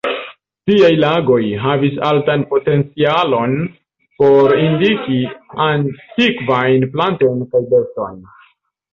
Tiaj lagoj havi altan potencialon por indiki antikvajn plantojn kaj bestojn.